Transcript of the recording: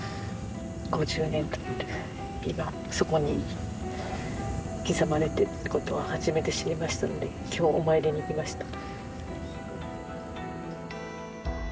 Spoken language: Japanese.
５０年たって今そこに刻まれてるってことを初めて知りましたので今日お参りに来ました。